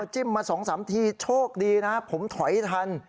จิ้มมา๒๓ทีโชคดีนะผมถอยทัน